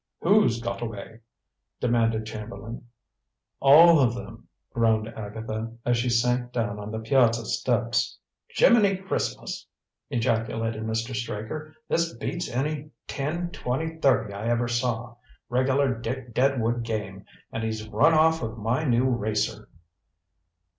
"Who's got away?" demanded Chamberlain. "All of them!" groaned Agatha, as she sank down on the piazza steps. "Jimminy Christmas!" ejaculated Mr. Straker. "This beats any ten twenty thirty I ever saw. Regular Dick Deadwood game! And he's run off with my new racer!"